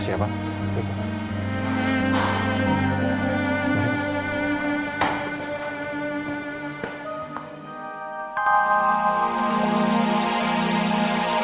itu pas ini yang bisa memutuskan